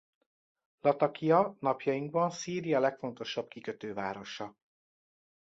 Latakia napjainkban Szíria legfontosabb kikötővárosa.